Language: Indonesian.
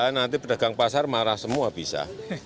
nanti pedagang pasar marah semua bisa